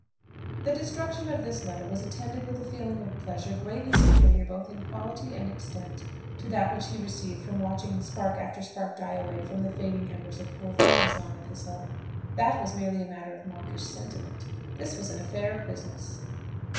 The destruction of this letter was attended with a feeling of pleasure greatly superior both in quality and extent to that which he received from watching spark after spark die away from the fading embers of poor Fanny's long epistle. That was merely a matter of mawkish sentiment; this was an affair of business.